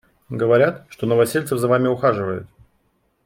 Говорят, что Новосельцев за Вами ухаживает.